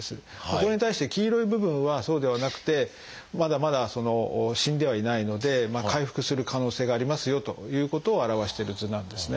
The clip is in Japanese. これに対して黄色い部分はそうではなくてまだまだその死んではいないので回復する可能性がありますよということを表してる図なんですね。